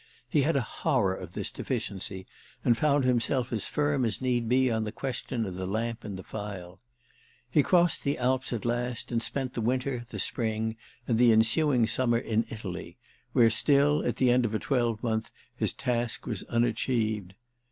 He had a horror of this deficiency and found himself as firm as need be on the question of the lamp and the file. He crossed the Alps at last and spent the winter, the spring, the ensuing summer, in Italy, where still, at the end of a twelvemonth, his task was unachieved.